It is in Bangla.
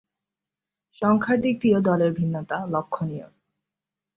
সংখ্যার দিক দিয়েও দলের ভিন্নতা লক্ষ্যণীয়।